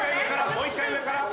もう１回上から。